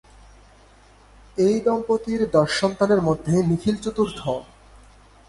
এই দম্পতির দশ সন্তানের মধ্যে নিখিল চতুর্থ।